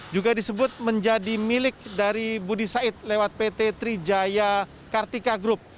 juga disebut menjadi milik dari budi said lewat pt trijaya kartika group